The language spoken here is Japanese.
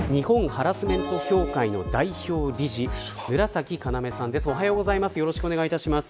ハラスメント協会の代表理事村嵜要さんです。